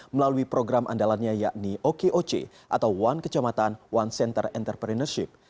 melalui program andalannya yakni okoc atau one kecamatan one center entrepreneurship